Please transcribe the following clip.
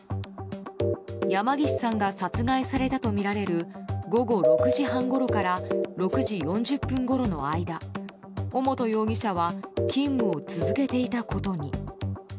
山岸さんが殺害されたとみられる午後６時半ごろから６時４０分ごろの間尾本容疑者は勤務を続けていたことに。